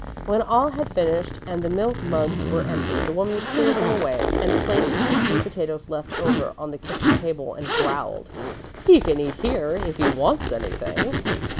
When all had finished and the milk mugs were empty, the woman cleared them away and placed the few potatoes left over on the kitchen table and growled: "He can eat here, if he wants anything."